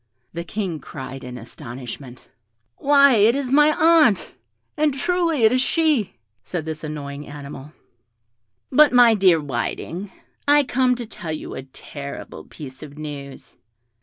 The King cried in astonishment, "Why, it is my aunt!" "And truly it is she," said this annoying animal. "But, my dear Whiting, I come to tell you a terrible piece of news."